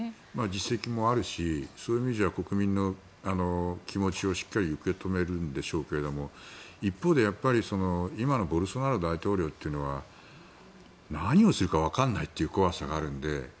実績もあるしそういう意味じゃ国民の気持ちをしっかり受け止めるんでしょうけれども一方でやっぱり今のボルソナロ大統領というのは何をするかわからないという怖さがあるので。